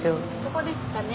ここですかね。